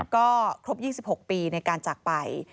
ก็ครบ๒๖ปีในการจากไป